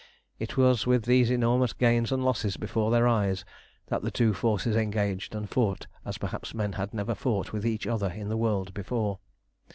It was with these enormous gains and losses before their eyes that the two forces engaged and fought as perhaps men had never fought with each other in the world before.